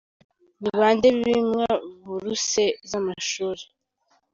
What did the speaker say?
– Ni bande bimwa buruse z’amashuri ?